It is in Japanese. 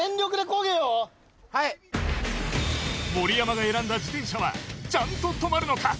はい盛山が選んだ自転車はちゃんと止まるのか？